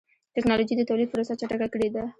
ټکنالوجي د تولید پروسه چټکه کړې ده.